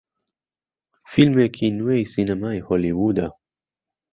فیلمێکی نوێی سینەمای هۆلیوودە